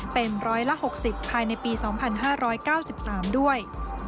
เป็นร้อยละ๖๐ภายในปี๒๕๙๓ด้วย